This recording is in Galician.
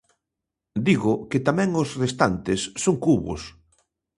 Digo que tamén os restantes son cubos.